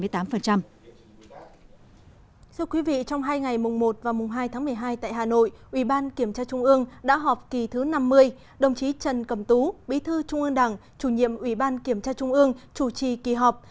thưa quý vị trong hai ngày mùng một và mùng hai tháng một mươi hai tại hà nội ủy ban kiểm tra trung ương đã họp kỳ thứ năm mươi đồng chí trần cầm tú bí thư trung ương đảng chủ nhiệm ủy ban kiểm tra trung ương chủ trì kỳ họp